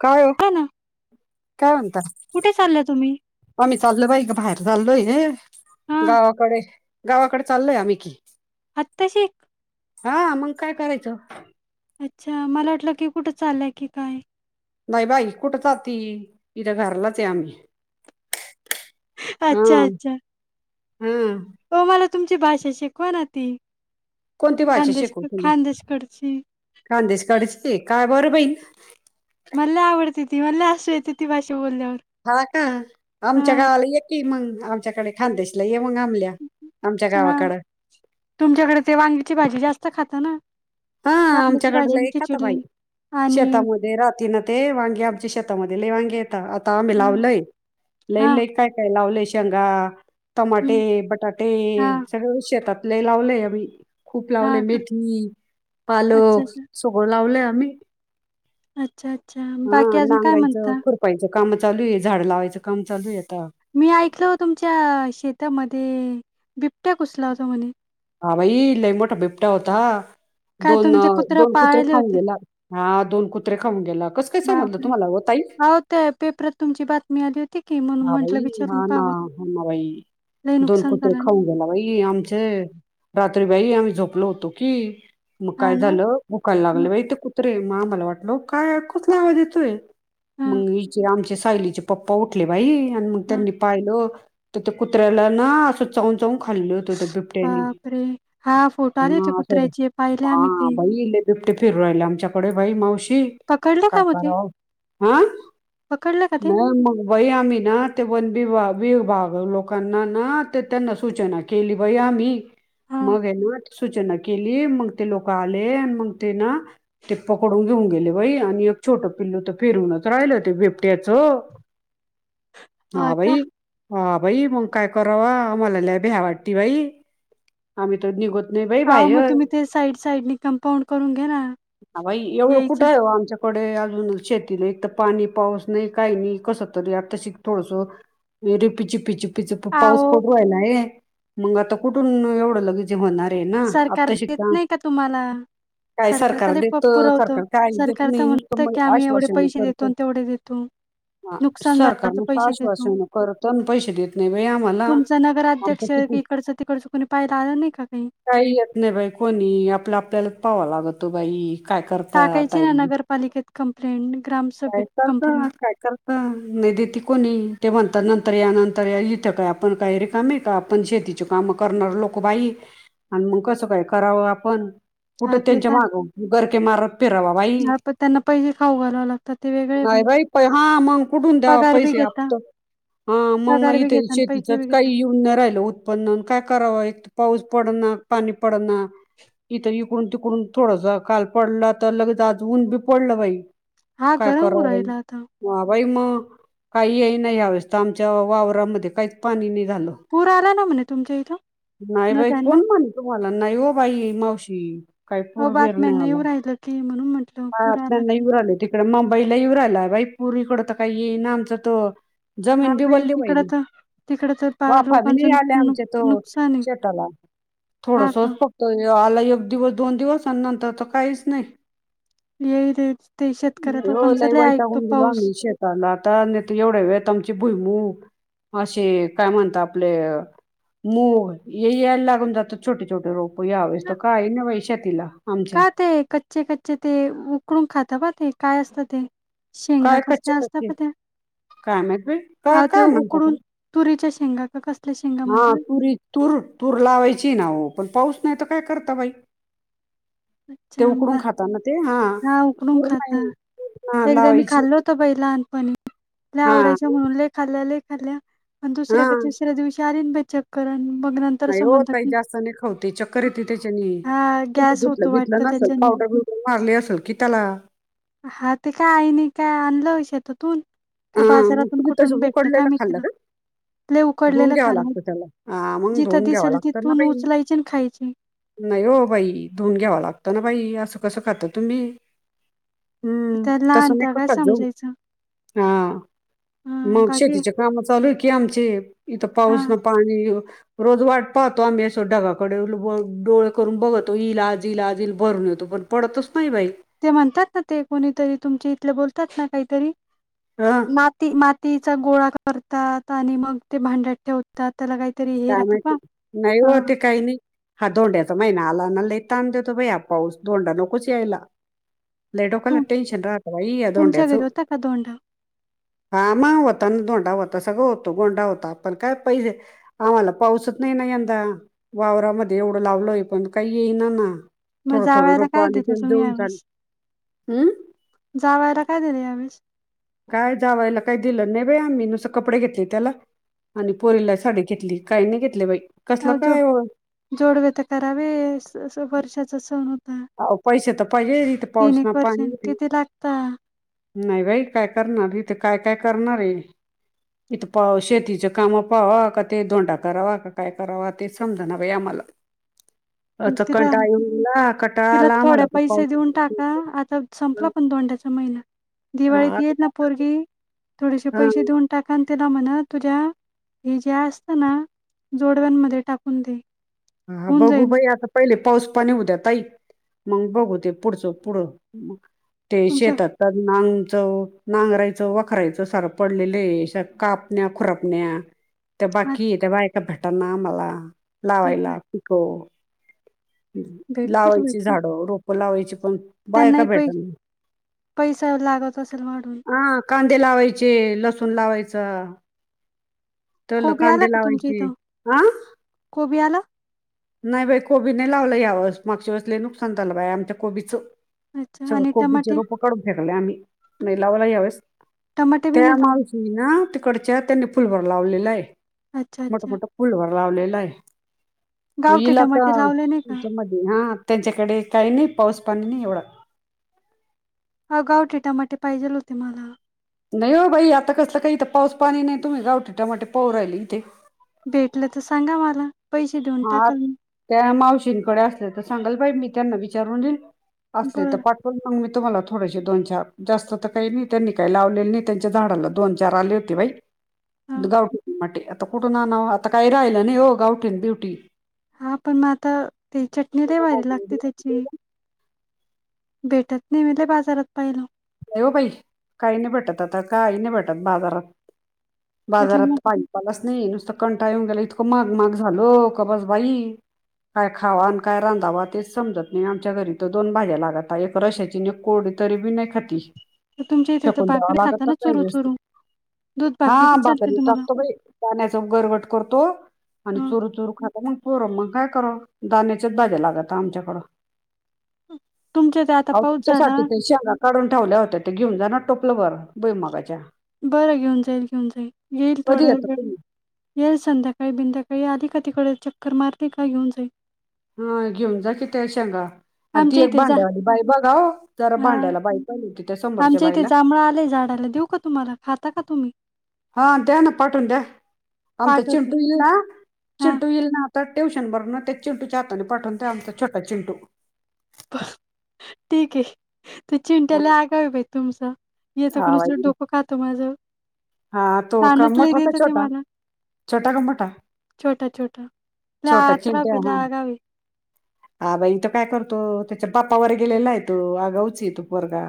काय हो हा ना काय म्हणता? कुठे चालल्या तुम्ही आम्ही चाल्लो बाई गं बाहेर चालोय हे. हा गावाकडे गावाकडे चाललोय आम्ही की. आता शी. हा मग काय करायचं? अच्छा मला वाटलं की कुठं चाललंय की काय? नाही बाई कुठ जाती इथं घरलाच आहे आम्ही? अच्छा हम् अच्छा हम्म. हो मला तुमची भाषा शिकवा ना ती कोणती भाषा खानदेश शिकू तुला खानदेशकडची खानदेश काडची काय बरं बाई? मला लई आवडते ती मला असू येते ती भाषा बोलल्यावर हा का आमच्या हा गावाला ये की मग आमच्याकडे खांदेशला ये मग आमल्या आमच्या हा गावाकडं तुमच्याकडे ते वांगीची भाजी जास्त खातं ना. हा वांग्याची भाजी आणि आमच्याकडला एक हाता खिचडी बाई. आणि शेतामध्ये राहाती ना ते वांगी आमच्या शेतामध्ये लई वांगी येत आता आम्ही हा लावलय. लई हा लई काय काय लावले शेंगा, टमाटे, हं, बटाटे, हा सगळ शेतात लय लावलय बई, खूप हा लावलय मेथी. अच्छा पालक, अच्छा सगळं लावलय आम्ही. अच्छा अच्छा, बाकी अजून काय म्हणता? पयज काम चालू आहे झाड लावायचं काम चालू आहे आता. मी ऐकल हो तुमच्या शेतामध्ये, बिबट्या गुसलेला होता म्हणे. हा बई लई मोठा बिबट्या होता. काय दोन तुम्ही ते कुत्रं दोन कुत्रे पाळले खाऊन होते? गेला, हा दोन कुत्रे खाऊन गेला कसं काय समजल तुम्हाला ओ ताई. त्या पेपरात तुमची बातमी आली होती की म्हणून म्हंटलं विचारून पावं. ह न बाई. दोन कुत्रे खाऊन गेला बाई आमचं. रात्री बई आम्ही झोपलो होतो की, मग हां काय ना? झालं? भुकायला हं, लागले बाई ते कुत्रे म आम्हाला वाटल काय कसला आवाज येतोय? हं, मग हिचे आमचे सायलीचे पप्पा उठले बाई. आणि मग हं. त्यांनी पाहिलं, तर कुत्र्याला ना असं चावून चावून खाल्ल होत त्या बिबट्या बापरे! हा फोटो आले होते असं कुत्र्याचे पाहिले आम्ही हा ते. बाई लय बिबटे फिरू राहिले आमच्याकडे बाई मावशी. पकडलं का काय मग ते? कराव, आ, पकडलं का ते? नाही मग बाई आम्ही ना ते वन विभा विभाग लोकांना ना ते त्यांना सूचना केली बाई आम्ही. हां. मग आहे ना सूचना केली मग ते लोक आले मग ते ना ते पकडून घेऊन गेले बाई आणि एक छोटं पिल्लू तर फिरवूनच राहिलं ते बिबट्याचं. [inaudible] हां हा का? बाई, हा बाई मग काय करावा आम्हाला लई भ्या वाटती बाई. आम्ही तर निघत नाही बाई अहो मग बाहेर, तुम्ही ते साईड साईडनी कंपाऊंड करून घ्या ना बाई एवढं यायचं. कुठं आहे आमच्या इकडे अजून शेतीला एक तर पाणी पाऊस नाही काही नाही कसं तरी आताशी थोडस रिपी चिपी चिपी चिप पाऊस अहो पडून राहिलाय, मग आता कुठून एवढं लगेच होणार. तेना सरकार आता देत शिका नाही का तुम्हाला? काय तर सरकार लई प देत पुरवतं. सरकार काही देत सरकार तर नाही नुसतं म्हणतं मग की आम्ही एवढे आश्वासन पैसे देतो करतो. आणि तेवढे देतो. हा, नुकसान झालं सरकार तर नुसत पैसे देतो. आश्वासन करत पैसे देत नाही बाई आम्हाला, तुमचा नगराध्यक्ष आमच किती इकडचं तिकडचं कोणी पाहायला आल नाही काही. काही येत नाही बाई कोणी आपलं आपल्याला पाहावं लागतो बाई. काय करता टाकायची ना ताई नगरपालिकेत कंप्लेंट ग्राम काय करता काय कर का नाही देते कोणी ते म्हणतात नंतर या नंतर इथं काय आपण काही रिकाम आहे का आपण शेती ची काम करणार लोक बाई, आणि मग कसं काय करावं आपण? हा कुठं ते त्यांच्या तर माग, गरके मारत फिराव बाई. हा पण त्यांना पाहिले खाऊ घालाव लाग नाही बाई प हा मग कुठून द्यावा पगार बी पैसे घेता, आपत. हा मग पगार बी इथे घेता आणि पैसे बी शेतीतच घेता. काही येऊन नाही राहिलं उत पन्न काय कराव, एक पाऊस पडणा पाणी पडणा, इथ यु इकडून तिकडून थोडस काल पडला तर लगेच आज ऊन बी पडलं बाई. हा काय गरम होऊ कराव बाई. राहिला आता. वा बाई म, काही येईना यावेळेस तर आमच्या वावरामध्ये काहीच पाणी नाही झालं. पूर आला ना म्हणे तुमच्या इथं, नाही बाई नद्यांना. कोण म्हणे तुम्हाला नाही ओ बाई मावशी. काय अहो पूर बीर नई बातम्यांना येऊ आला, राहिलं की म्हणून म्हटलं पा पूर आपल्या आला नाही की. येऊन राहिले. इकड मुंबईला येऊ राहिला बाई पुरी इकड तर काही येई ना आमच्यात. हा जमीन बी बाई ओलली होई तिकडं ना, तर तिकडं तर पा वाफा बी नाही लोकांचं नुक आल्या नुक आमच्या त, नुकसान आहे शेताला. हा का थोडसच फक्त आला एक दिवस दोन दिवस आणि नंतर तर काहीच नाही येई ते शेतकऱ्या लोकांच लय ऐकतो पाऊस ला आता नाही तर एवढ्या वेळ आमची भुईमूग अशे काय म्हणता आपले? मग ये यायला लागून जात छोटे छोटे रोप यावेळेस तर काही नाही बाई शेतीला आमच्या का ते कच्चे कच्चे ते उकडून खात बा ते काय असतं ते? शेंगा काय कच्चे कसल्या असत कच्चे प त्या काय माहित बाई काय अ ते काय म्हणतात उकडून त्याला? तुरीच्या शेंगा का कसल्या. शेंगा हा म्हणतात तुरी तूर तूर लावायची ना पण पाऊस नाही तर काय करता बाई अच्छा ते उकडून म खातातना ते हा उकडून तूर नाही खाता एकदा मी लावायची खाल्ल होत बाई लहानपणी हा आवडाय म्हणून लय खाल्या लय खाल्ल्या आणि दुसऱ्या हा का तिसऱ्या दिवशी आली बा चक्कर आणि मग नंतर नाही हो समजलं ताई की जास्त नाही खाऊ ते चक्कर येते तेच्यानी हा तू गॅस दुध होतो न वाटतं नसल त्याच्याने पावडर बिवडर मारली असेल की त्याला? हा ते काय आईने काही आणलं शेतातून का हा मग बाजारातून तुम्ही तसं कुठून भेटलं काय उकडलेलं खाल्लं मीतीन का आपले धुवून उकडलेलं घ्यावं खाल लागतं त्याला हा मग जिथं धुवून घ्यावं दिसेल लागतं ना तिथून बाई उचलायचे आणि खायचे? नाही हो बाई धुऊून घ्यावा लागतं ना बाई असं कसं खातो तुम्ही हम्म त्या तस लहान मी त्या काय [unintelligible] जाऊ समजायचं हा हा मग बाकी शेतीच्या काम चालू आहे की आमचे इथं हा पाऊस न पाणी रोज वाट पाहतो आम्ही अस ढगाकडे डोळे करून बघतो ईल आज इल आज ईल भरून येतो पण पडतच नाही बाई? ते म्हणतात ना ते कोणीतरी तुमचे इथले बोलतात ना काहीतरी हा ती मातीचा गोळा करतात आणि मग ते भांड्यात ठेवतात ता त्याला काहीतरी. का मा नाही हो ते काही नाही हा दोंड्याचा महिना आला नाला ताण देतो भै हा पाऊस दोंडा नकोच यायला लईटोकला तु टेनशन रायई अ तुमच्या दोड्याच, घरी होता का दोंडा फामा होता ना दोंडा होता सगळं होतो, गोंडा होता पण काय पैसे आम्हाला पाऊसच नाही ना यंदा, वावरामध्ये एवढं लावलो आहे पण काही येईना ना. मग थोडं थोडी जावायला रोप काय आली दिलं ते तुम्ही देऊन झाली यावेळेस हम्म जावायला काय दिलं यामेस काय जावायला काही दिलं नाही बा आम्ही नुसं कपडे घेतले त्याला. आणि पोरीला साडी घेतली काही नाही घेतले बाई कसलं अ जो काय हो? जोडवे तर करावे वर्षाचा सण होत. अ पैसे तर पहिजे इथ पाऊस ना एक वर्ष पाणी किती लागता नाही बाई काय करणार इथे काय काय करणार आहे इथं पा शेतीच काम पावा का ते धोंडा करावा का काय करावा ते समजा ना बाई आम्हाला. [inaudible] अ तिला चकनटा ये उला क तिला थोड पैसे देऊन टाका आता संपला पण दोंड्याचा महिना हा, दिवाळीत आता येईेत ना काय करते? पोरगी थोडेसे हा, पैसे देऊन टाकान त्याला म्हणा तुझ्या हे ज्या असत ना जोडव्यांमध्ये टाकून दे हा होऊन बघू जाईल प आता. पहिले पाऊस पाणी उद्या तई मग बघूते पुढचं पुढं मग ते तुमचं शेतात तर नांगच नांगरायचं वाखरायचं सारं पडलेलंश कापण्या खुरपण्या ते हा बाकी ते बा्हा एका भेटाना म्हाला ते तर लावायला पिको. भेटतील लावायची भेटतील झाडं रोपं लावायची पण बायका त्यांनाही पै भेटना. पैसा लागत असेल म्हणून. हां, कांदे लावायचे लसूण लावायचं. ठेवलो कोबी कांदे आला का तुमच्या लावायची इथं हं. कोबी आला नाही बाई कोबी नाही लावलं या वरस मागच्या वेेळस लय नुकसान झालं बाय आमच्या कोबीचं. अच्छा आणि कोबीचे टमाटे रोप काढून फेकले आम्ही नाही लावायला यावेळेस टमाटे बी नाही त्या लावले मी ना तिकडच्या त्यांनी फुल भर लावलेला आहे अच्छा मोठ, अच्छा मोठ फूलवर लावलेला आहे तो गावठी इल आता टमाटे लावले नाही का? ह्याच्यामध्ये. हा त्यांच्याकडे काही नाही पाऊस पाणी नाही एवढ. हाव का हो ते टमाटे पाहिजेल होते मला. नाही हो बाई, आता कसलं काही इथं पाऊस पाणी नाही तुम्ही गावठीच्या वाटे पाहू राहिली इथे. भेटलं तर सांगा मला पैसे देऊन हा टाकाल मी. त्या मावशींकडे असले तर सांगाल मी त्यांना विचारून असले तर बरं. पा पण मग मी तुम्हाला थोडेसे दोन, चार जास्त तर काही नाही त्यांनी काही लावलेले नाही त्यांच्या झाडाला दोन, चार आले होत बाई हां. गावठी आता कुठून आना आता काही राहिलं हो गावठी बिवठी टी हा पण मग आता, ते चटणी लयभारी लागते त्याची. भेटत नाही मी लय बाजारात पाहिलं. नाही हो बाई काही नाही भेटत आता, काही नाही भेटत बाजारात, बाजारात त्याच्यामुळे पाई मलाच नाही नुसतं कंटा येऊन गेला इतकं माग, माग झाल का बस बाई. काय खावा आणि काय रांधावा तेच समजत नाही आमच्या घरी तर दोन भाज्या लागत एक रशाची, एक कोरडी. तरी बी नाही खाती. तुमच्या इथे तर फेकून द्यावा भाकरी लागत खाता तर ना काही चुरू गोष्टी चुरू. दूध हा बी चालते भाकरी तुम्हाला. टाकतो बाई. जाण्याचा गरवट करतो. आणि हां. चोरू, चोरू खात मग पोर मग काय कर दाण्याच्याच भाज्या लागता आमच्याकडं. तुमच्या इथे आता हो पाऊस झाला. तुुमच्यासाठी ते शेंगा काढून ठेवल्या होत्या ते घेऊन जाण टोपलं भर भुई मुगाच्या. बरं घेऊन जाईल, घेऊन जाईल येईल कधी थोड्या येतं वेळ तुम्ही येईल संध्याकाळी, बिध्याकाळी आली का तिकडे चक्कर मारते का घेऊन जाईल. हा घेऊन जा कि त्या शेंगा आणि ती आमच्या एक इथे जा भांड्यावाली बाई बघा हो जरा हां. भांड्याला बाई. पाहिली होती त्या समोरच्या आमच्या इथे बाईला जांभळ आलेय झाडाला देऊ का तुम्हाला खाता का तुम्ही? हा द्यान पाठून द्या आमचा पाठवते चिंटू येईल ना, हा चिंटू येईल ना तर ट्यूशन वरूनं ते चिंटू च्या हाताने पाठवून द्या आमचा छोटा चिंटू ठीक आहे. ते चिंट्या हा, लइ अगव्ये बाई तुमचा येतो की हा नुसत बाई डोक खात माझ. हा तो का तानच लई मोठा का देते ते छोटा मला. छोटा का मोठा छोटा, छोटा लय छोटा आत्राम आहे, लय अगाव हे. आ बाई इथं काय करतो, त्याच्या बाप्पावर गेलेयेतो अगावच हायतो पोरगा.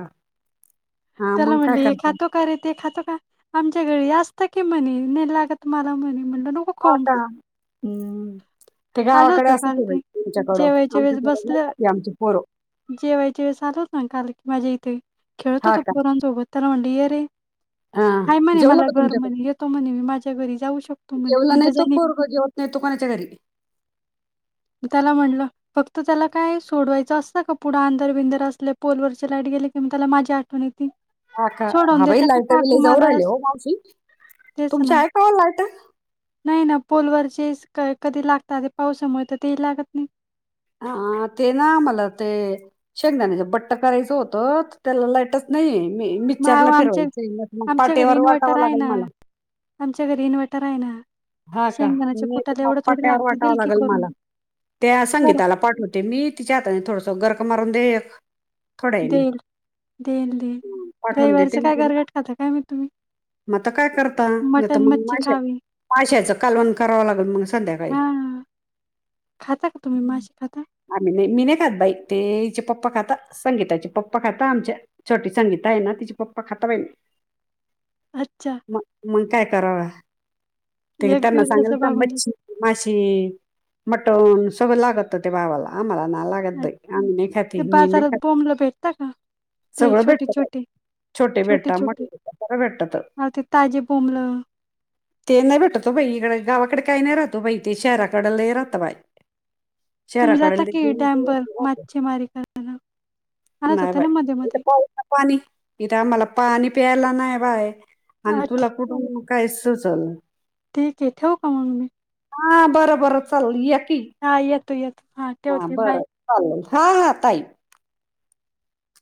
हा त्याला मग काय म्हटलं हे करतो खातो. ते खात का आमच्या घरी असत की म्हणे नाही लागत मला म्हणे म्हट. होता, हम्म. ते आलं गावाकडे होतं काल असते बाई ते तुमच्याकडं जेवायच्या वेळेस आमच्याकडे नाही बसलं खाती आमची पोर. जेवायच्या वेळेस आला होता काल की माझ्या इथे खेळत हा होत का पोरांसोबत त्याला म्हणलं येरे हा हाय म्हणे जेवला मला का घर तुमच्याकडे म्हणे येतो म्हणे मी माझ्या घरी जाऊ शकतो म्हणे जेवला नाही म्हटल तो जाय निघ. पोरग जेवत नाही तो कोणाच्या घरी. त्याला म्हणलं. फक्त त्याला काय सोडवायचं असतं का पुढं आंधारबिंधार असले पोलवरचे लाईट गेले की म त्याला माझी आठवण येत हाका हाबाई लायट बिलय जाऊ मला राहिले हो मावशी, तेच तुमची ना आहे का हो लायट? नाही ना पोलवरची कधी लागत आता पावसामुळे तर तेही लागत नाही. हा ते ना आम्हाला ते शेंगदाण्याच बट्ट करायचं होतं त्याला लाईटच नाही मी मग मिक्चरला अहो, आमच्या फिरवायचं आहे मग आमच्या घरी पाटेवर इन्व्हर्टर वाटावं आहे लागेल ना मला. आमच्या घरी इन्वर्टर आहेना. हा का मी येते मग पाट्यावर लागतं वाटावं देईल की लागेल करून मला त्या बरं संगीताला पाठवते मी तिच्या हातानि थोडस गरक मारून दे एक. थोड्या याने देईल. देईल देईल हं, पाठवून रविवारचं काय गरगट खाता काय माहीत. म आता काय करता? नाही तर मटन मग मच्छी माश्या खावी माश्याचं कालवण करावं लागेल मग. संध्याकाळी. हां. खाता का तुम्ही हं. मासे खाता? आम्ही नाही. मी नाही खात बाई. ते हिचे पप्पा खाता. संगीताचे पप्पा खाता आमच्या. छोटी संगीता आहे ना? तिचे पप्पा खाता बाई. अच्छा. मग. मग काय करावा? ते एक त्यांना दिवसाचं सांगाल भागून मच्छी. माशी, मटण सगळ लागत ते बाबाला. आम्हाला नाही जातं. लागत. अच्छा. [unintelligible] आम्ही नाही ते खाती. मी नाही बाजारात खात. बोंबलं भेटता का? ते सगळं भेटतत. छोटे-छोटे, छोटे भेटतात ना मोठे भेटतात. आ. ते ताजे [unintelligible] ते नाही भेटत ओ बाई. इकडे गावाकडे काही नाही राहत ओ बाई. ते शहराकड लई राहत बाई. तुम्ही शहराकडे जाता लय की गेलं डॅमवरर? वस्तू राहते. मच्छीमारी कर- नाही बाई. इथे पाऊस ना पाणी. इथे आम्हाला पाणी प्यायला नाही बाय. आणि अच्छा, तुला कुठन काय सुचत. ठीक ए ठेवू का म मी? हा. बरं बरं चाल या कि, हा. येते येते. हा. ठेवते बाय. हा. हा. ताई.